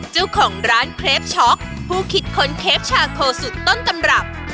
เจ้าของร้านเครปช็อกผู้คิดค้นเคปชาโคสุดต้นตำรับ